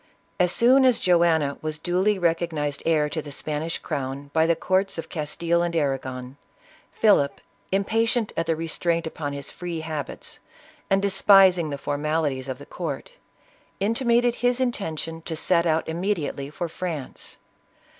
ISABELLA OF CASTILE. 188 As soon as Joanna was duly recognized heir to the Spanish crown, by the cortes of Castile and Arragon, Philip, impatient at the restraint upon his free habits, and despising the formalities of the court, intimated his intention to set out immediately for France.